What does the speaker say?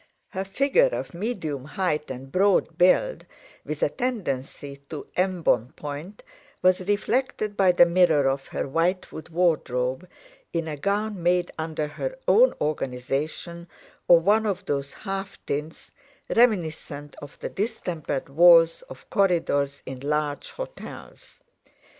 Her figure, of medium height and broad build, with a tendency to embonpoint, was reflected by the mirror of her whitewood wardrobe, in a gown made under her own organization, of one of those half tints, reminiscent of the distempered walls of corridors in large hotels.